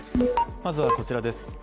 まずはこちらです